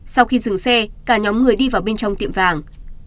sau khi dừng xe cả nhóm người đi vào bên trong tiệm vàng